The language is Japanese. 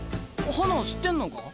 花知ってんのか？